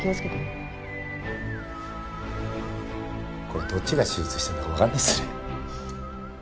これどっちが手術してるのかわかんないっすね。